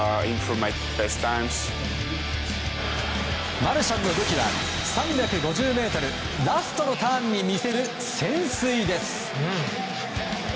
マルシャンの武器は３５０ｍラストのターンに見せる潜水です。